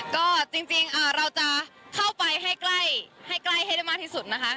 ก็จริงเราจะเข้าไปให้ใกล้ให้ใกล้ให้ได้มากที่สุดนะคะ